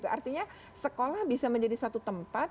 artinya sekolah bisa menjadi satu tempat